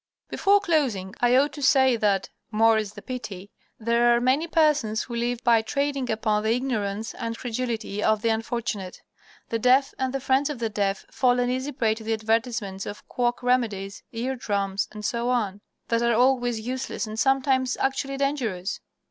_ Before closing I ought to say that (more is the pity) there are many persons who live by trading upon the ignorance and credulity of the unfortunate. The deaf and the friends of the deaf fall an easy prey to the advertisements of quack remedies, ear drums, etc., that are always useless and sometimes actually dangerous.